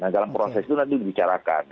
dalam proses itu nanti dibicarakan